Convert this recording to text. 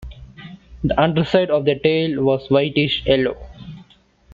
The underside of the tail was whitish yellow.